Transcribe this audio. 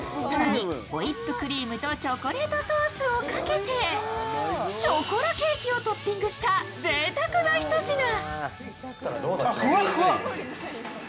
更にホイップクリームとチョコレートソースをかけて、ショコラケーキをトッピングしたぜいたくなひと品。